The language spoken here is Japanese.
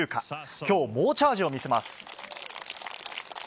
今日、猛チャージを見せます。